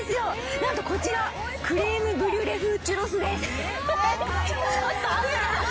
なんとこちら、クレームブリュレ風チュロスです。